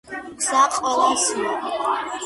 გზა ყველასია